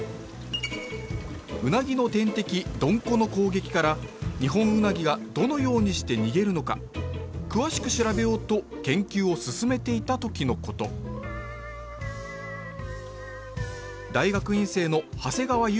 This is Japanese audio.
ウナギの天敵ドンコの攻撃からニホンウナギがどのようにして逃げるのか詳しく調べようと研究を進めていた時のこと大学院生の長谷川悠